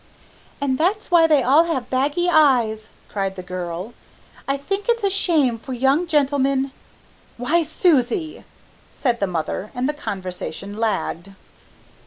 "And that's why they all have baggy eyes," cried the girl. "I think it's a shame for young gentlemen " "Why, Susie!" said the mother, and the conversation lagged.